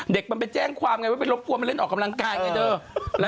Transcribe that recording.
เด็กมันไปแจ้งความไงว่าไปรบกวนมันเล่นออกกำลังกายไงเธอ